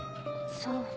そう。